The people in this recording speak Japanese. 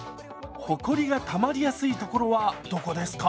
ほこりがたまりやすい所はどこですか？